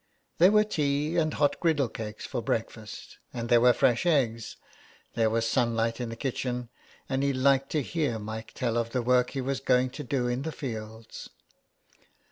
There were tea and hot griddle cakes for breakfast, and there were fresh eggs ; there was sunlight in the kitchen, and he liked to hear Mike tell of the work he was going to do in the fields.